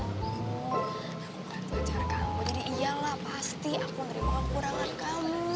aku kan pacar kamu jadi iyalah pasti aku terima kekurangan kamu